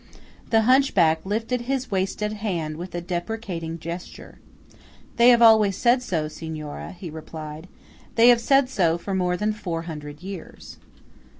The hunchback lifted his wasted hand with a deprecating gesture. "They have always said so, Signora," he replied. "They have said so for more than four hundred years."